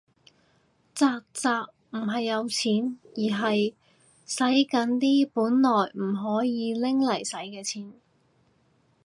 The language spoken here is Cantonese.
宅宅唔係有錢，而係洗緊啲本來唔可以拎嚟洗嘅錢